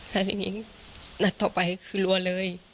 แล้วทีนี้นัดต่อไปคือรัวเลย